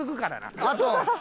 あと。